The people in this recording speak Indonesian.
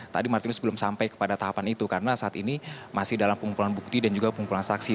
tadi martinus belum sampai kepada tahapan itu karena saat ini masih dalam pengumpulan bukti dan juga pengumpulan saksi